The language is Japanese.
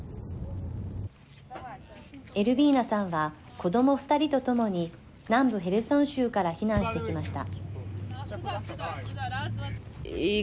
エルビーナさんは子ども２人とともに南部ヘルソン州から避難してきました。